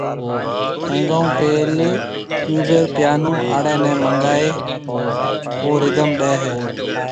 ۿينگون ھونپيل ڪيبور (پيئانو) آڙي ني منگائي ھيَََ او رڌم ڏي ھيَََ